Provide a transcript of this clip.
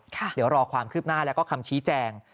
เดี๋ยวรอความคืบหน้าแล้วก็คำชี้แจง